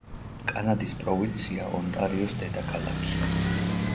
კანადის პროვინცია ონტარიოს დედაქალაქი.